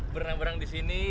bernang berang di sini